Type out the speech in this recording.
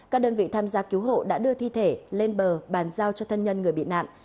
các đơn vị tham gia cứu hộ đã đưa thi thể lên bờ bàn giao cho thân nhân người bị nạn